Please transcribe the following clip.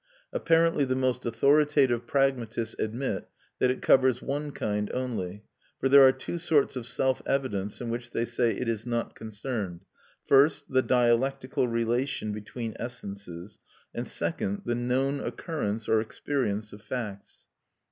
Apparently the most authoritative pragmatists admit that it covers one kind only; for there are two sorts of self evidence in which, they say, it is not concerned: first, the dialectical relation between essences; and second, the known occurrence or experience of facts.